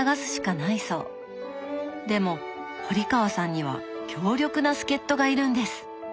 でも堀川さんには強力な助っ人がいるんです！